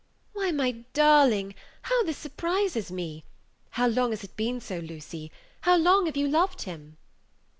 "Why, my darling, how this surprises me! How long has it been so, Lucy? How long have you loved him?"